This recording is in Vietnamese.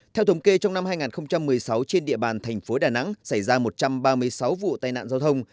theo thống kê trong năm hai nghìn một mươi sáu trên địa bàn thành phố đà nẵng xảy ra một trăm ba mươi sáu vụ tai nạn giao thông